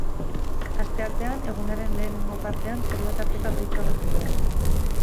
Asteartean, egunaren lehenengo partean zerua tarteka hodeitsu agertuko da.